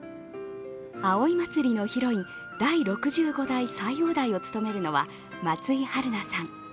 葵祭のヒロイン、第６５代斎王代を務めるのは松井陽菜さん。